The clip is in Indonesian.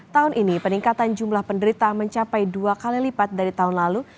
tahun ini peningkatan jumlah penderita mencapai dua kali lipat dari tahun lalu